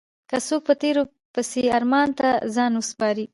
که څوک په تېرو پسې ارمان ته ځان وسپاري.